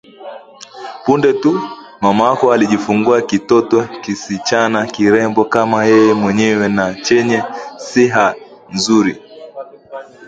Punde tu, mamako alijifungua kitoto kisichana kirembo kama yeye mwenyewe na chenye siha nzuri